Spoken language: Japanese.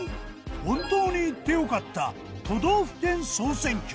本当に行って良かった都道府県総選挙。